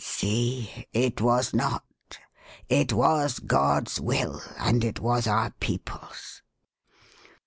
See, it was not. It was God's will and it was our people's."